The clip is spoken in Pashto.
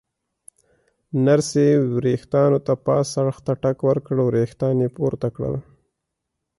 نرسې ورېښتانو ته پاس اړخ ته ټک ورکړ، ورېښتان یې پورته کړل.